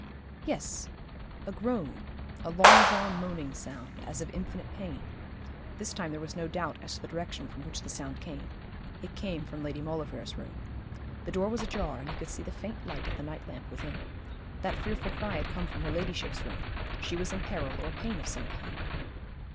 Yes, a groan, a long drawn moaning sound, as of infinite pain. This time there was no doubt as to the direction from which the sound came. It came from Lady Maulevrier's room. The door was ajar, and he could see the faint light of the night lamp within. That fearful cry had come from her ladyship's room. She was in peril or pain of some kind.